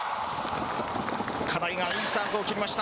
金井がいいスタートを切りました。